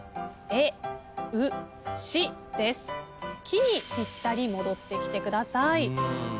「き」にぴったり戻ってきてください。